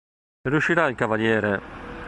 Riuscirà il cav.